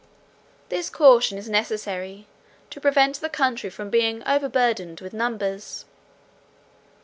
This caution is necessary, to prevent the country from being overburdened with numbers.